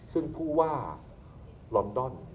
ซึ่งผู้ว่าลอนดอน